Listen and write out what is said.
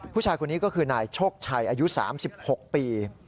ผู้ชายคนนี้ก็คือนายโชคชัยอายุ๓๖ปี